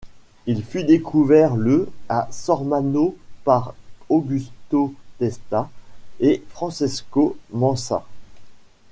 Il fut découvert le à Sormano par Augusto Testa et Francesco Manca.